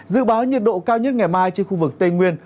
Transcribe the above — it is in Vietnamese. dự báo nhiệt độ cao nhất ngày mai trên khu vực tây nguyên